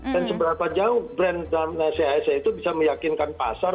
dan seberapa jauh brand chse itu bisa meyakinkan pasar